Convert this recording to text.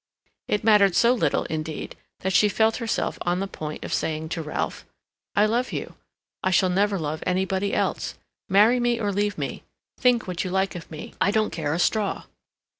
It mattered so little, indeed, that she felt herself on the point of saying to Ralph: "I love you; I shall never love anybody else. Marry me or leave me; think what you like of me—I don't care a straw."